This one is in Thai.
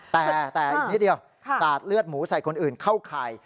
แต่อีกนิดเดียวสาดเลือดหมูใส่คนอื่นเข้าข่าย